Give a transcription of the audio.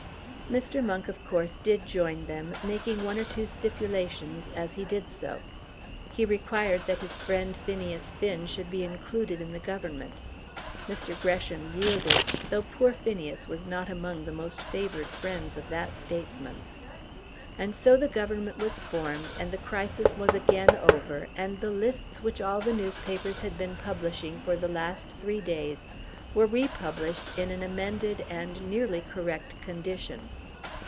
Mr. Monk, of course, did join them, making one or two stipulations as he did so. He required that his friend Phineas Finn should be included in the Government. Mr. Gresham yielded, though poor Phineas was not among the most favoured friends of that statesman. And so the Government was formed, and the crisis was again over, and the lists which all the newspapers had been publishing for the last three days were republished in an amended and nearly correct condition.